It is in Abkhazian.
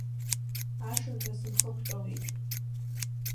Ашырҳәа сынхықәтәалеит.